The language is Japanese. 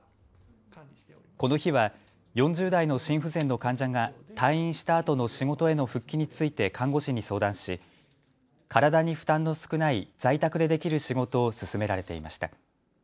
この日は４０代の心不全の患者が退院したあとの仕事への復帰について看護師に相談し体に負担の少ない在宅でできる仕事を勧められていました。